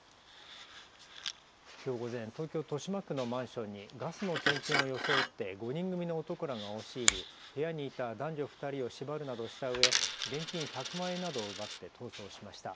きょう午前、東京豊島区のマンションにガスの点検を装って５人組の男らが押し入り部屋にいた男女２人を縛るなどしたうえ現金１００万円などを奪って逃走しました。